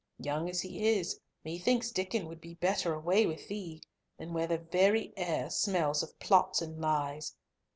Young as he is, methinks Diccon would be better away with thee than where the very air smells of plots and lies."